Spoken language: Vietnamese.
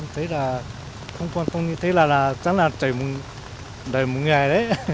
thế là không quan tâm như thế là chẳng là chảy đợi một ngày đấy